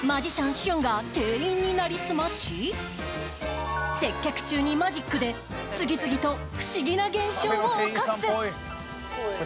ＳＨＵＮが店員に成り済まし接客中にマジックで次々と不思議な現象を起こす。